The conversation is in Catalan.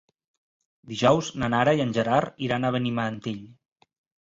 Dijous na Nara i en Gerard iran a Benimantell.